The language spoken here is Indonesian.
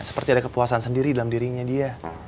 seperti ada kepuasan sendiri dalam dirinya dia